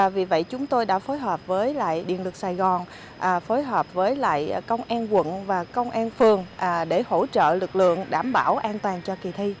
vì vậy chúng tôi đã phối hợp với điện lực sài gòn phối hợp với công an quận và công an phường để hỗ trợ lực lượng đảm bảo an toàn cho kỳ thi